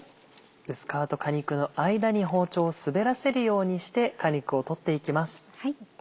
薄皮と果肉の間に包丁を滑らせるようにして果肉を取っていきます。